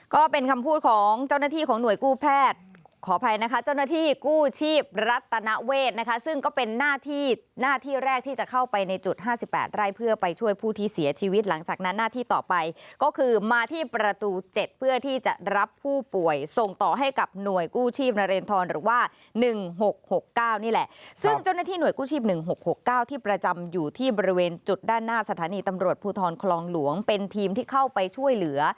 ก็เป็นคำพูดของเจ้าหน้าที่ของหน่วยกู้แพทย์ขอภัยนะคะเจ้าหน้าที่กู้ชีพรัฐนาเวทนะคะซึ่งก็เป็นหน้าที่หน้าที่แรกที่จะเข้าไปในจุดห้าสิบแปดไร้เพื่อไปช่วยผู้ที่เสียชีวิตหลังจากนั้นหน้าที่ต่อไปก็คือมาที่ประตูเจ็ดเพื่อที่จะรับผู้ป่วยส่งต่อให้กับหน่วยกู้ชีพนเรนทรหรือว่าหนึ่งหกหกเก้านี่แหล